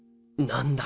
何だ？